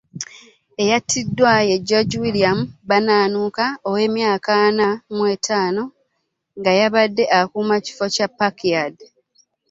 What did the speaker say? Eyattiddwa ye George William Bananuka ow’emyaka ana mu ttaano nga y’abadde akuuma ekifo kya Park yard.